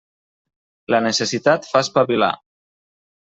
La necessitat fa espavilar.